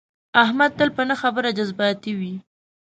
احمد تل په نه خبره جذباتي وي.